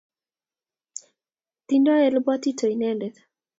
Tindo elepwatito indendet